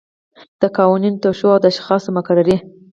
د قوانینو توشیح او د اشخاصو مقرري.